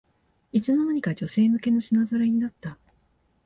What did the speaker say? いつの間にか女性向けの品ぞろえになった